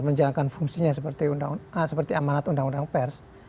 menjalankan fungsinya seperti amanat undang undang pers